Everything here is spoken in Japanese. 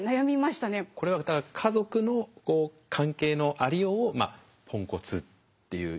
これはだから家族の関係のありようをまあポンコツっていう。